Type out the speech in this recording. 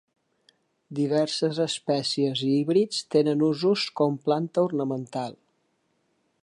Diverses espècies i híbrids tenen usos com planta ornamental.